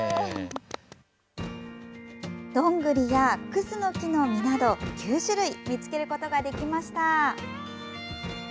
どんぐりやクスノキの実など９種類見つけることができました。